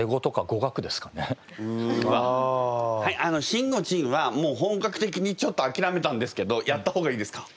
しんごちんはもう本格的にちょっとあきらめたんですけどやった方がいいですか？